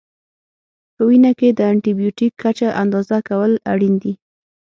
په وینه کې د انټي بیوټیک کچه اندازه کول اړین دي.